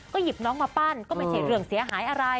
หยิบน้องมาปั้นก็ไม่ใช่เรื่องเสียหายอะไร